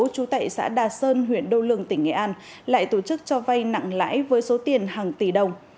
chú tại xã đà sơn huyện đô lương tỉnh nghệ an lại tổ chức cho vay nặng lãi với số tiền hàng tỷ đồng